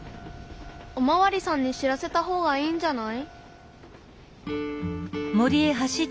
おまわりさんに知らせた方がいいんじゃない？